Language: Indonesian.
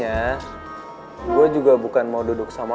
makanya gue juga bukan mau duduk sama lo